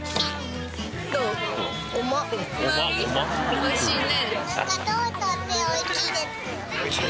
おいしいね。